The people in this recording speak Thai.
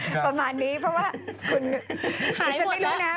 เราฆ่าประมาณนี้เพราะว่าเขาหายหมดแล้ว